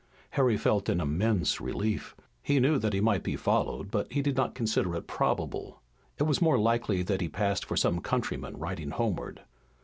Harry felt an immense relief. He knew that he might be followed, but he did not consider it probable. It was more than likely that he passed for some countryman riding homeward.